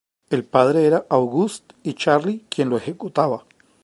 El padre era August y Charlie quien lo ejecutaba.